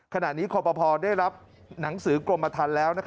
ขณะนี้คอปภได้รับหนังสือกรมทันแล้ว